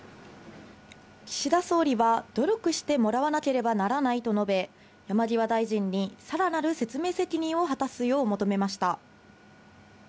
岸田総理は、努力してもらわなければならないと述べ、山際大臣にさらなる説明責任を果たすよう求めました。